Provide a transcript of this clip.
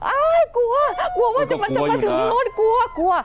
กลัวกลัวว่ามันจะมาถึงรถกลัวกลัว